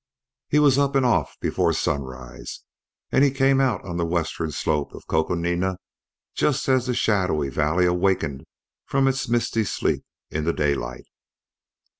He was up and off before sunrise, and he came out on the western slope of Coconina just as the shadowy valley awakened from its misty sleep into daylight.